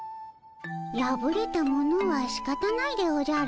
やぶれたものはしかたないでおじゃる。